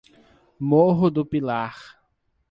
Morro do Pilar